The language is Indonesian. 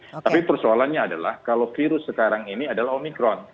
tapi persoalannya adalah kalau virus sekarang ini adalah omikron